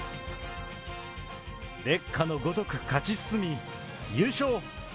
烈火のごとく勝ち進み、優勝！